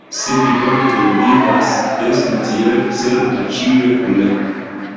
Se vi bone kunvivas, estu tiel: servu ĉiuj kune!